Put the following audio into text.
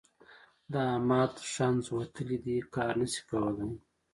د احمد ښنځ وتلي دي؛ کار نه شي کولای.